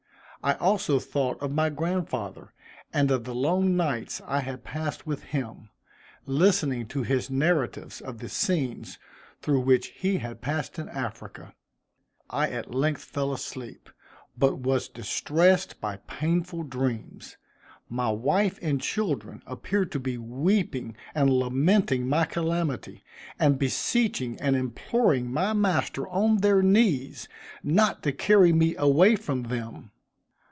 I also thought of my grandfather, and of the long nights I had passed with him, listening to his narratives of the scenes through which he had passed in Africa. I at length fell asleep, but was distressed by painful dreams. My wife and children appeared to be weeping and lamenting my calamity; and beseeching and imploring my master on their knees, not to carry me away from them.